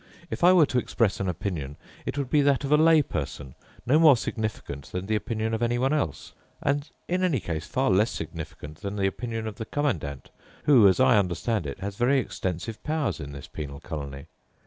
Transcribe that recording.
If I were to express an opinion, it would be that of a lay person, no more significant than the opinion of anyone else, and in any case far less significant than the opinion of the Commandant, who, as I understand it, has very extensive powers in this penal colony.